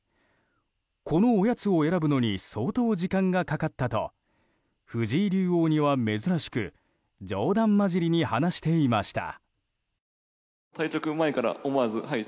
このおやつを選ぶのに相当時間がかかったと藤井竜王には珍しく冗談交じりに話していました。